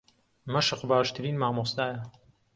مەشق باشترین مامۆستایە.